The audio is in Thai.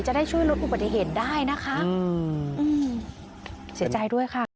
จะได้ช่วยลดอุบัติเหตุได้นะคะอืมเสียใจด้วยค่ะ